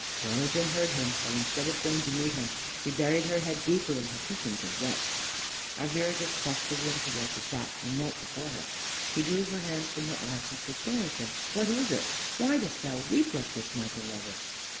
Dorigen heard him, but, instead of going to meet him, she buried her head deeper in her cushions and wept. Arviragus crossed the room to where she sat, and knelt before her. He drew her hands from her eyes and said, "Dorigen, what is it? Why dost thou weep like this, my beloved?"